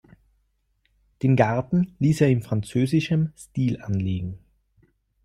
Den Garten ließ er im französischen Stil angelegen.